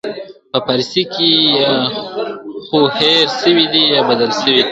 په فارسي کي یا خو هير سوی دي، یا بدل سوي دي.